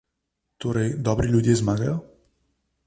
Torej dobri ljudje zmagajo?